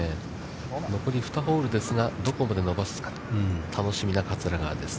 残り２ホールですが、どこまで伸ばすか、楽しみな桂川です。